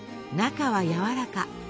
中はやわらか。